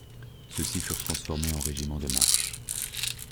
Ceux-ci furent transformés en régiments de marche.